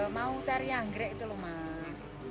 mau cari anggrek itu loh mas